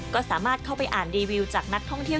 ก็สามารถเข้าไปอ่านรีวิวจากนักท่องเที่ยว